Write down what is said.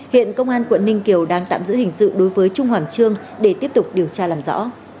hiện công an quận ninh kiều đang tạm giữ hình sự đối với trung hoàng trương để tiếp tục điều tra làm rõ